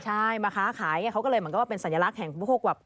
ใช่มาค้าขายเขาก็เลยเหมือนกับว่าเป็นสัญลักษณ์แห่งพวกแบบ